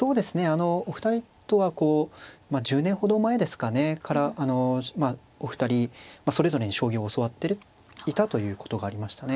あのお二人とはこう１０年ほど前ですかねからあのお二人それぞれに将棋を教わっていたということがありましたね。